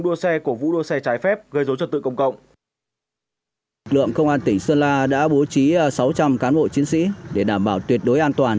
lực lượng công an tỉnh sơn la đã bố trí sáu trăm linh cán bộ chiến sĩ để đảm bảo tuyệt đối an toàn